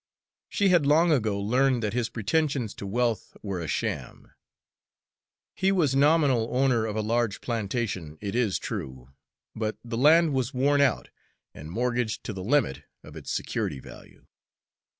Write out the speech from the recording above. She had long ago learned that his pretensions to wealth were a sham. He was nominal owner of a large plantation, it is true; but the land was worn out, and mortgaged to the limit of its security value.